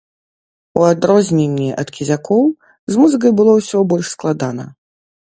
У адрозненні ад кізякоў, з музыкай было ўсё больш складана.